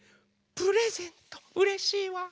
プレゼントうれしいわ。